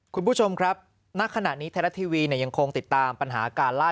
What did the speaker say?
คุณผู้ชมครับณขณะนี้ไทยรัฐทีวียังคงติดตามปัญหาการล่า